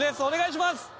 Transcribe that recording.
お願いします！